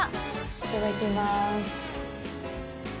いただきます。